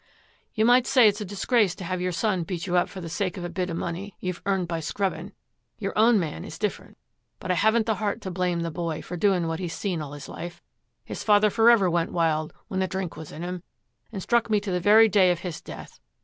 'You might say it's a disgrace to have your son beat you up for the sake of a bit of money you've earned by scrubbing, your own man is different, but I haven't the heart to blame the boy for doing what he's seen all his life; his father forever went wild when the drink was in him and struck me to the very day of his death.